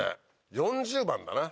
４０番だな。